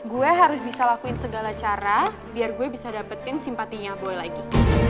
gue harus bisa lakuin segala cara biar gue bisa dapetin simpatinya gue lagi